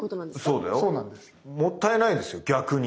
そうだよ。もったいないですよ逆に。